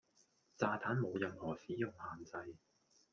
炸彈冇任何使用限制